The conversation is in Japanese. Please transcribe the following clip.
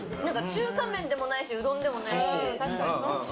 中華麺でもないし、うどんでもないし。